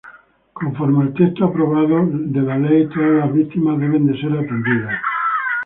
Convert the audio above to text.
Conforme al texto aprobado de la Ley, Todas las víctimas deben de ser atendidas.